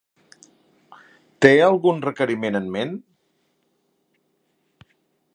Té algun requeriment en ment?